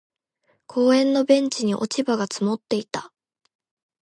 公園のベンチに落ち葉が積もっていた。